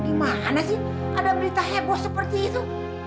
di mana sih ada berita heboh seperti itu